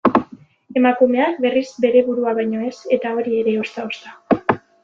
Emakumeak, berriz, bere burua baino ez, eta hori ere ozta-ozta.